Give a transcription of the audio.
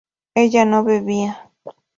ella no bebía